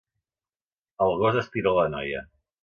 El gos estira la noia.